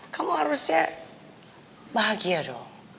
kamu harusnya bahagia dong